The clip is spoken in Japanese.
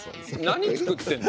何作ってんの？